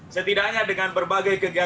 setidaknya dengan berbagai kegiatan